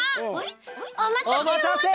おまたせ！